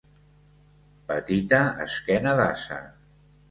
Petita esquena d'ase.